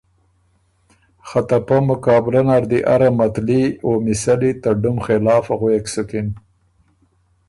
خه ته پۀ مقابلۀ نر دی اره متلي او مِثلّی ته ډُم خلاف غوېک سُکِن۔